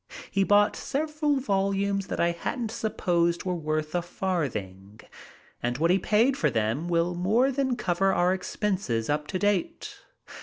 He bought several volumes that I hadn't supposed were worth a farthing, and what he paid for them will more than cover our expenses up to date.